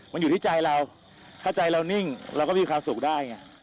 มันอยู่ที่ใจเราถ้าใจเรานิ่งเราก็มีความสุขได้ไง